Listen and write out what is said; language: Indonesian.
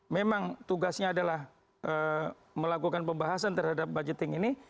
memang tugasnya adalah melakukan pembahasan terhadap budgeting ini